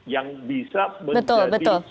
yang bisa menjadi